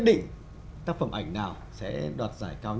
đứng từ trên đó chụp xuống